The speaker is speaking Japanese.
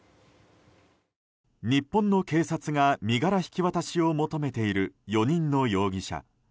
日本の警察が身柄引き渡しを求めている４人の容疑者。